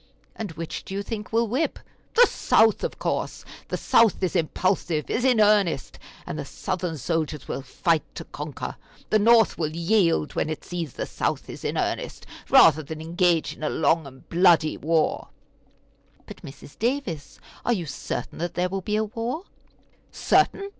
"And which do you think will whip?" "The South, of course. The South is impulsive, is in earnest, and the Southern soldiers will fight to conquer. The North will yield, when it sees the South is in earnest, rather than engage in a long and bloody war." "But, Mrs. Davis, are you certain that there will be war?" "Certain!